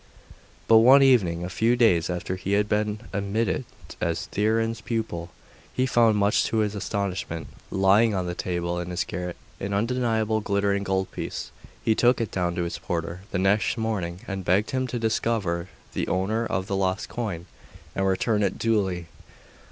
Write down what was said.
But one evening, a few days after he had been admitted as Theon's pupil, he found, much to his astonishment, lying on the table in his garret, an undeniable glittering gold piece. He took it down to the porter the next morning, and begged him to discover the owner of the lost coin, and return it duly.